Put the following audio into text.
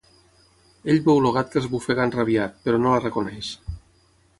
Ell veu el gat que esbufega enrabiat, però no la reconeix.